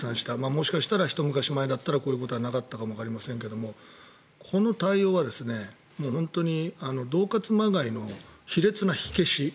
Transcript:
もしかしたら、ひと昔前だったらこういうことはなかったのかもわかりませんがこの対応は本当に恫喝まがいの卑劣な火消し。